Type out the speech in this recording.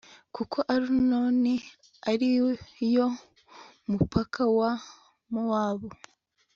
kuko arunoni ari yo mupaka wa mowabu